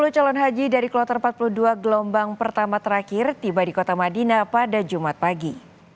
tiga ratus enam puluh calon haji dari keluatan empat puluh dua gelombang pertama terakhir tiba di kota madina pada jumat pagi